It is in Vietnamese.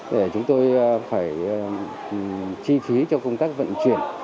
để chúng tôi phải chi phí cho công tác vận chuyển